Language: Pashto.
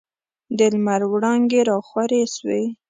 د لمر وړانګي راخورې سوې.